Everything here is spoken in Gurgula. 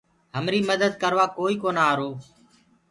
همري مدد ڪروآ ڪوئي ڪونآ آرو۔